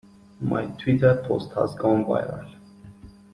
My Twitter post has gone viral.